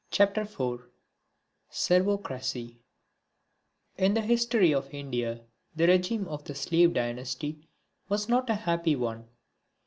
PART II (4) Servocracy In the history of India the regime of the Slave Dynasty was not a happy one.